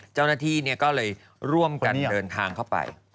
เจ้าหน้าที่ก็เลยร่วมกันเดินทางเข้าไป